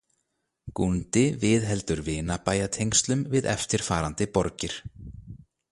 Gúndi viðheldur vinabæjatengslum við eftirfarandi borgir.